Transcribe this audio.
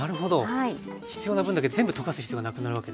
必要な分だけ全部溶かす必要がなくなるわけですね。